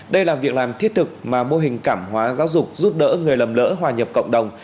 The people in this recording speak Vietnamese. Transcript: đây là việc làm thiết thực mà mô hình cảm hóa giáo dục giúp đỡ người lầm lỡ hòa nhập cộng đồng